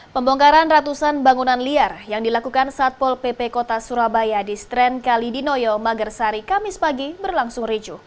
pembongkaran ratusan bangunan liar yang dilakukan satpol pp kota surabaya di stren kalidinoyo magersari kamis pagi berlangsung ricu